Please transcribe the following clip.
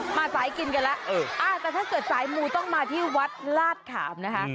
มาสายกินกันแล้วแต่ถ้าเกิดสายมูต้องมาที่วัดลาดขามนะคะ